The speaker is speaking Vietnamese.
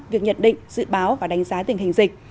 việc nhận định dự báo và đánh giá tình hình dịch